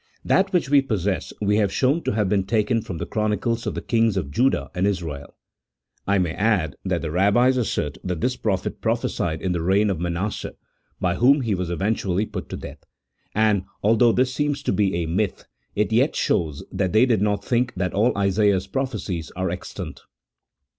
That which we possess, we have shown to have been taken from the chronicles of the kings of Judah and Israel. We may add that the Eabbis assert that this prophet prophesied in the reign of Manasseh, by whom he was eventually put to death, and, although this seems to be a myth, it yet shows that they did not think that all Isaiah's prophecies are extant.